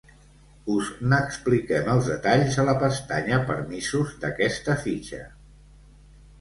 Us n'expliquem els detalls a la pestanya Permisos d'aquesta fitxa.